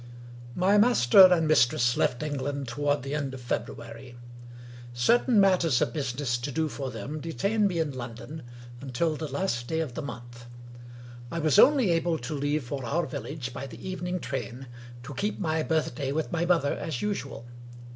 236 WUkie Collins My master and mistress left England toward the end of February. Certain matters of business to do for them de tained me in London until the last day of the month. I was only able to leave for our village by the evening train, to keep my birthday with my mother as usual.